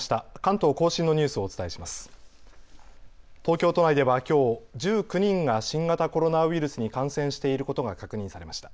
東京都内ではきょう１９人が新型コロナウイルスに感染していることが確認されました。